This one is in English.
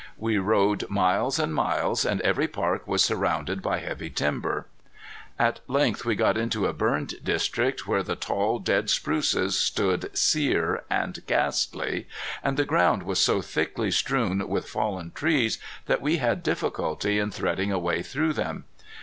We rode miles and miles, and every park was surrounded by heavy timber. At length we got into a burned district where the tall dead spruces stood sear and ghastly, and the ground was so thickly strewn with fallen trees that we had difficulty in threading a way through them.